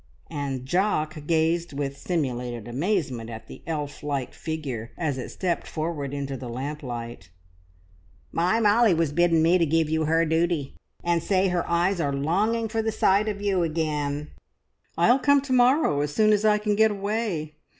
And Jock gazed with simulated amazement at the elf like figure as it stepped forward into the lamplight. "My Molly was biddin' me give you her duty, and say her eyes are longing for the sight of you again." "I'll come to morrow, as soon as I can get away.